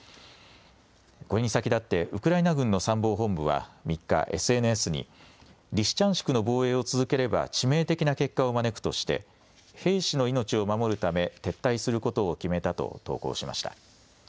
これに先立って、ウクライナ軍の参謀本部は３日、ＳＮＳに、リシチャンシクの防衛を続ければ、致命的な結果を招くとして、兵士の命を守るため撤退することを決めたと投稿しました。